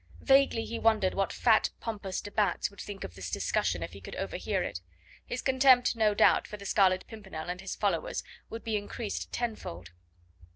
Vaguely he wondered what fat, pompous de Batz would think of this discussion if he could overhear it. His contempt, no doubt, for the Scarlet Pimpernel and his followers would be increased tenfold.